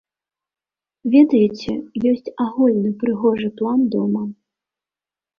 Ведаеце, ёсць агульны прыгожы план дома.